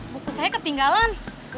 buku saya ketinggalan